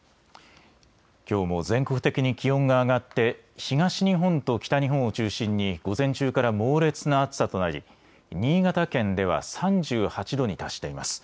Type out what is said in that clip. きょうも全国的に気温が上がって東日本と北日本を中心に午前中から猛烈な暑さとなり新潟県では３８度に達しています。